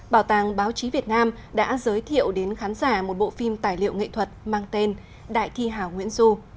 bảo tàng báo chí việt nam đã giới thiệu đến khán giả một bộ phim tài liệu nghệ thuật mang tên đại thi hảo nguyễn du